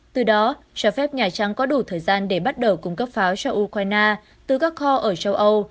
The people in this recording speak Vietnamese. từ đó cho phép nhà trắng có đủ thời gian để bắt đầu cung cấp pháo cho ukraine từ các kho ở châu âu